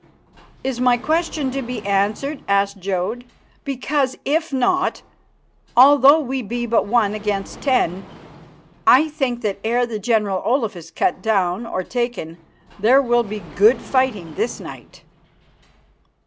"Is my question to be answered?" asked Jodd. "Because, if not, although we be but one against ten, I think that ere the General Olaf is cut down or taken there will be good fighting this night."